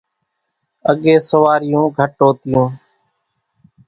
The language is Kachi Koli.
اڳيَ سوواريون گھٽ هوتِيون۔